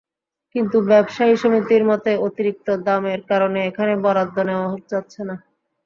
কিন্তু ব্যবসায়ী সমিতির মতে, অতিরিক্ত দামের কারণে এখানে বরাদ্দ নেওয়া যাচ্ছে না।